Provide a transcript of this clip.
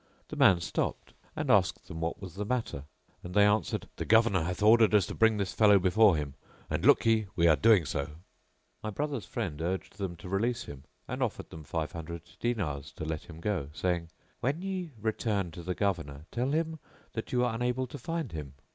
The man stopped, and asked them what was the matter, and they answered, "The Governor hath ordered us to bring this fellow before him and, look ye, we are doing so." My brother's friend urged them to release him, and offered them five hundred dinars to let him go, saying, "When ye return to the Governor tell him that you were unable to find him."